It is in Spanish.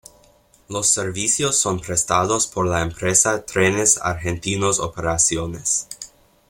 Los servicios son prestados por la empresa Trenes Argentinos Operaciones.